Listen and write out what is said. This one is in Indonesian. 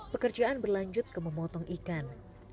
pekerjaan berlanjut ke memotong ikan